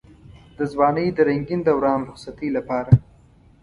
د ځوانۍ د رنګين دوران رخصتۍ لپاره.